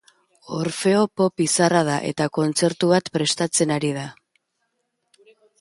Orfeo pop izarra da, eta kontzertu bat prestatzen ari da.